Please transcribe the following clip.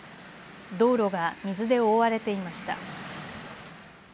道路が水で覆われていました。